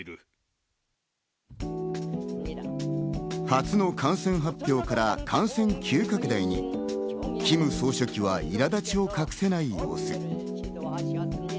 初の感染発表から感染急拡大にキム総書記は苛立ちを隠せない様子。